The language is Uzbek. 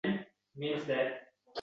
Demak, sen ekansan-da ularning rahnamosi